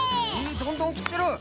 どんどんきってる！